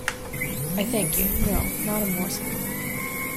I thank you, no, not a morsel.